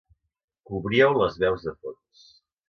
Cobríeu les veus de fons.